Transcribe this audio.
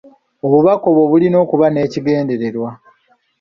Obubaka obwo bulina okuba n'ekigendererwa.